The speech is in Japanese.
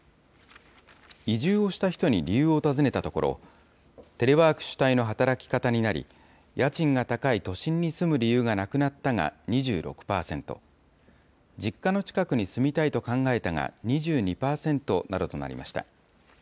移住をした人に理由を尋ねたところ、テレワーク主体の働き方になり、家賃が高い都心に住む理由がなくなったが２６％、実家の近くに住みたいと考えたが２２％などとなりました。